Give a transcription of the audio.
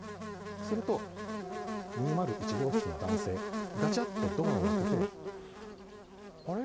すると、２０１号室の男性ガチャッとドアを開けてあれ？